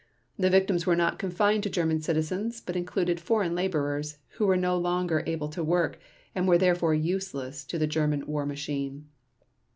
The victims were not confined to German citizens, but included foreign laborers, who were no longer able to work, and were therefore useless to the German war machine.